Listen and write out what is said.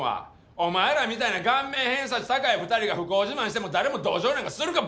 お前らみたいな顔面偏差値高い２人が不幸自慢しても誰も同情なんかするかボケ！